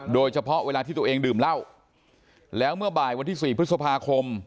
โดยเฉพาะเวลาที่ตัวเองดื่มเล่าแล้วเมื่อบ่ายวันที่สี่พฤษภาคม